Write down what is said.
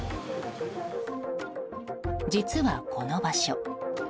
実は、この場所。